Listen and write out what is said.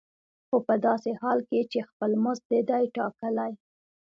خو په داسې حال کې چې خپل مزد دې دی ټاکلی.